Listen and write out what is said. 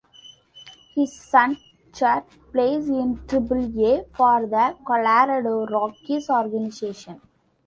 His son Chad plays in Triple-A for the Colorado Rockies organization.